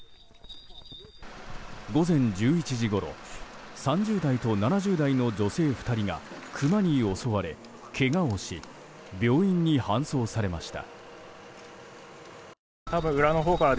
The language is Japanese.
午前１１時ごろ３０代と７０代の女性２人がクマに襲われけがをし病院に搬送されました。